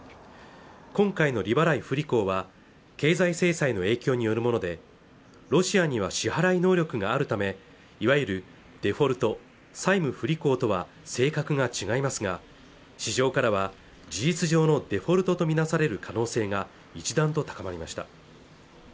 今回の利払い不履行は経済制裁の影響によるものでロシアには支払い能力があるためいわゆるデフォルト＝債務不履行とは性格が違いますが市場からは事実上のデフォルトとみなされる可能性が一段と高まりました